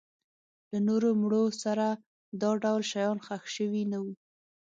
له نورو مړو سره دا ډول شیان ښخ شوي نه وو.